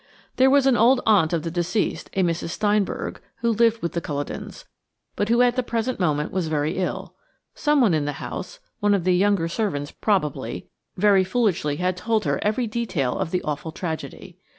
There was an old aunt of the deceased–a Mrs. Steinberg–who lived with the Culledons, but who at the present moment was very ill. Someone in the house–one of the younger servants, probably–very foolishly had told her every detail of the awful tragedy.